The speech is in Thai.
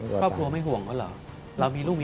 ครอบครัวไม่ห่วงก็เหรอเรามีลูกมีเมียนะ